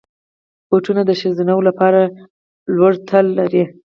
بوټونه د ښځینه وو لپاره لوړ تل لري.